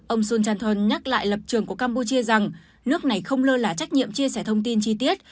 ông sun chanthol nhắc lại lập trường của campuchia rằng nước này không lơ lả trách nhiệm chia sẻ thông tin chi tiết